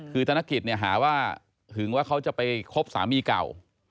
คือธนกิจเนี่ยหาว่าหึงว่าเขาจะไปคบสามีเก่า